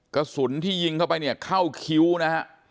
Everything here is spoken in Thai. กระสุนที่ยิงเข้าไปเนี่ยเข้าคิ้วนะฮะ